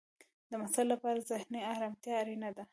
د محصل لپاره ذهنی ارامتیا اړینه ده.